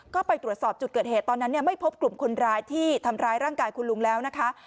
ก็ไปตรวจสอบจุดเกิดเหตุตอนนั้นไม่พบกลุ่มคนร้ายที่ทำร้ายร่างกายคุณลุงแล้วนะคะ